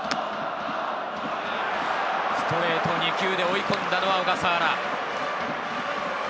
ストレート２球で追い込んだのは小笠原。